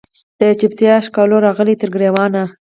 د چوپتیا ښکالو راغلې تر ګریوانه